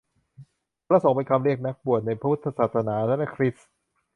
พระสงฆ์เป็นคำเรียกนักบวชในพุทธศาสนา และคริสต์